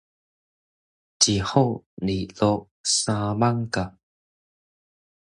一府，二鹿，三艋舺